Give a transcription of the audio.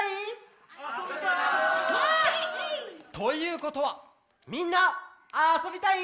あそびたい！ということはみんなあそびたい？